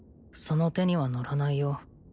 その手には乗らないよ